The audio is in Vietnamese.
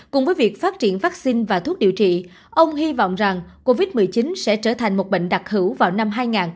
cùng với việc phát triển vaccine và thuốc điều trị ông hy vọng rằng covid một mươi chín sẽ trở thành một bệnh đặc hữu vào năm hai nghìn ba mươi